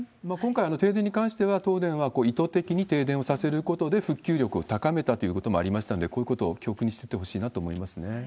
今回、停電に関しては、東電は意図的に停電をさせることで復旧力を高めたということもありましたんで、こういうことを教訓にしていってほしいなと思いますよね。